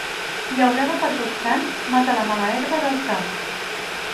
Llaurada per Tots Sants mata la mala herba dels camps.